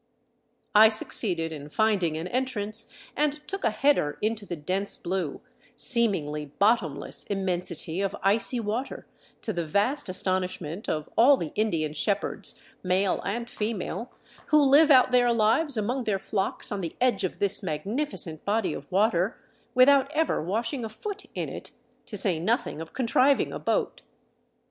I succeeded in finding an entrance, and took a header into the dense blue, seemingly bottomless immensity of icy water, to the vast astonishment of all the Indian shepherds, male and female, who live out their lives among their flocks on the edge of this magnificent body of water without ever washing a foot in it, to say nothing of contriving a boat.